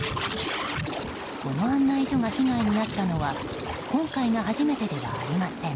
この案内所が被害に遭ったのは今回が初めてではありません。